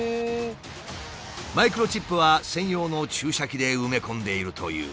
マイクロチップは専用の注射器で埋め込んでいるという。